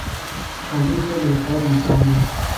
علي ښه برېتور انسان دی.